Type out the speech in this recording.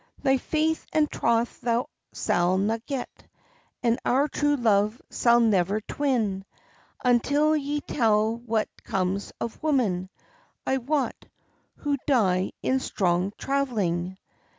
"Thy faith and troth thou sall na get, And our true love sall never twin, Until ye tell what comes of women, I wot, who die in strong traivelling?